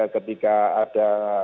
ketika ada yang dikirim